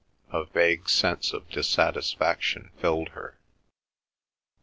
A vague sense of dissatisfaction filled her.